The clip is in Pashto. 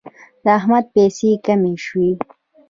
د احمد پیسې کمې شوې.